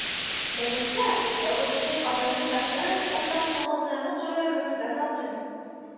Menimcha, yozuvchilik odamda taxlam-taxlam qogʻozlarini qoralamasidan oldin.